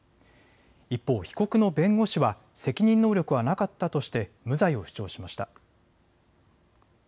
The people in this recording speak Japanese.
一方、被告の弁護士は責任能力はなかったとして無罪を主張しました。